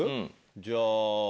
じゃあ。